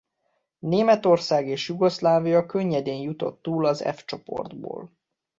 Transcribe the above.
Németország és Jugoszlávia könnyedén jutott túl az F csoportból.